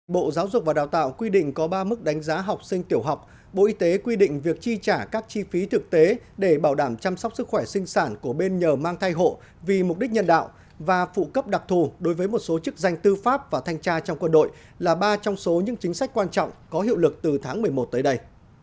bộ giáo dục và đào tạo quy định có ba mức đánh giá học sinh tiểu học bộ y tế quy định việc chi trả các chi phí thực tế để bảo đảm chăm sóc sức khỏe sinh sản của bên nhờ mang thai hộ vì mục đích nhân đạo và phụ cấp đặc thù đối với một số chức danh tư pháp và thanh tra trong quân đội là ba trong số những chính sách quan trọng có hiệu lực từ tháng một mươi một tới đây